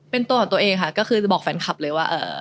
เป็นตัวของตัวเองค่ะก็คือจะบอกแฟนคลับเลยว่า